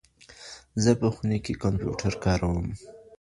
زه په خوني کي کمپيوټر کاروم.